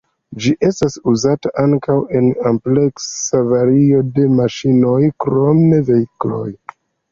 Ĝi estas uzata ankaŭ en ampleksa vario de maŝinoj krom vehikloj.